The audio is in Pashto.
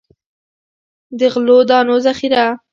د غلو دانو ذخیره.